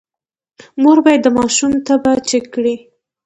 مور باید د ماشوم تبه چیک کړي۔